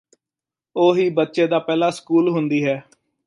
ਉਹ ਹੀ ਬੱਚੇ ਦਾ ਪਹਿਲਾ ਸਕੂਲ ਹੁੰਦੀ ਹੈ